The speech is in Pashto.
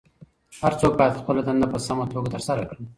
هر څوک باید خپله دنده په سمه توګه ترسره کړي.